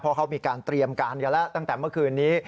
เพราะเขามีการเตรียมการกันแล้วตั้งแต่เมื่อคืนนี้